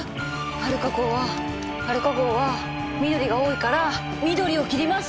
アルカ号はアルカ号は緑が多いから緑を切ります！